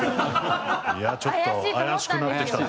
いやちょっと怪しくなってきたぞ。